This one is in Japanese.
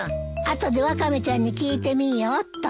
後でワカメちゃんに聞いてみようっと。